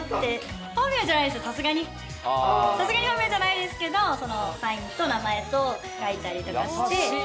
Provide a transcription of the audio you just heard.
さすがに本名じゃないですけどサインと名前と書いたりとかして。